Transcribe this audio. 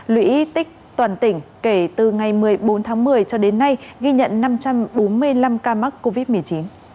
lũy tích toàn tỉnh kể từ ngày một mươi bốn tháng một mươi cho đến nay ghi nhận năm trăm bốn mươi năm ca mắc covid một mươi chín